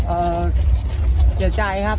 เอ่อเกลียดใจครับ